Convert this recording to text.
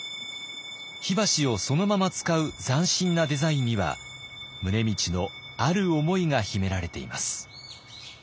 火箸をそのまま使う斬新なデザインには宗理のある思いが秘められています。